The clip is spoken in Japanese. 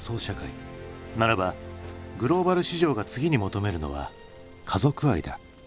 ならばグローバル市場が次に求めるのは家族愛だ。